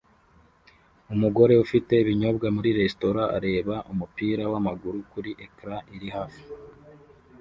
Umugore ufite ibinyobwa muri resitora areba umupira wamaguru kuri ecran iri hafi